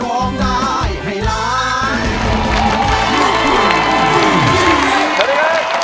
สวัสดีครับ